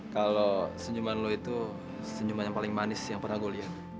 kalau senyuman lo itu senyuman yang paling manis yang pernah gue lihat